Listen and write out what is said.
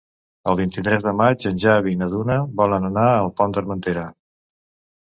El vint-i-tres de maig en Xavi i na Duna volen anar al Pont d'Armentera.